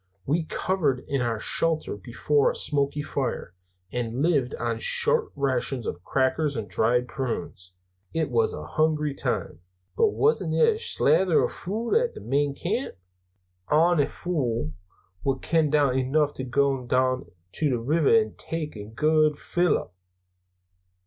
We covered in our shelter before a smoky fire, and lived on short rations of crackers and dried prunes it was a hungry time." "But wasna there slathers o' food at the main camp? Ony fule wad ken enough to gae doon to the river an' tak' a guid fill up."